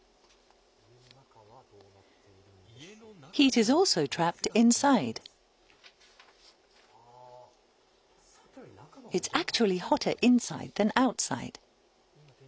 家の中はどうなっているんでしょうか。